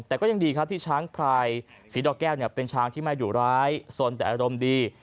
แต่ก็ยังดีครับที่ช้างพลายสีดอกแก้วเป็นช้างที่ไม่ดุร้ายสนแต่อารมณ์ดี